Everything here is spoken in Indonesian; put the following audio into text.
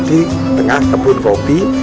di tengah kebun kopi